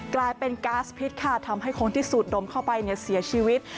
กลายเป็นก๊าซพิษค่ะทำให้คนที่สูดดมเข้าไปเสียชีวิต